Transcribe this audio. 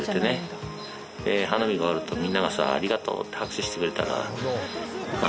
花火が上がるとみんながさありがとうって拍手してくれたんだ